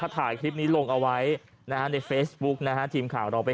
ถ่ายเครื่องไม่ไปอ่ะคืออะไร